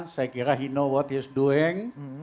saya kira dia tahu apa yang dia lakukan